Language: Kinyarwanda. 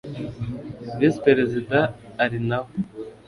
Visi Perezida ari nawe